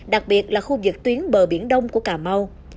đặc biệt là khu vực tuyến bờ biển đông của cà mau